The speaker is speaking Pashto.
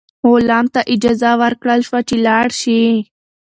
غلام ته اجازه ورکړل شوه چې لاړ شي.